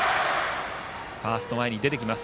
ファースト、前に出てきます。